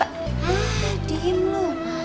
hah diem lu